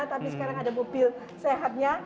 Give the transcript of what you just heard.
tapi sekarang ada mobil sehatnya